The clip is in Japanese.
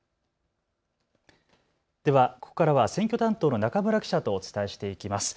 ではここからは選挙担当の中村記者とお伝えしていきます。